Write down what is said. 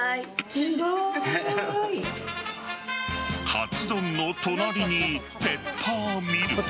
カツ丼の隣にペッパーミル。